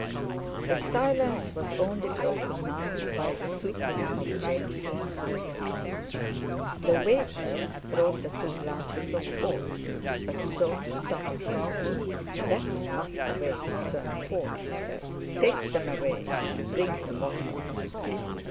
The silence was only broken now by the supping of James's soup. The waiter brought the two glasses of port, but Soames stopped him. "That's not the way to serve port," he said; "take them away, and bring the bottle."